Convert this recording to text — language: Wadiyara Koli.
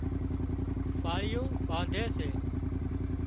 ڦاۯِيئون ٻانڌي سي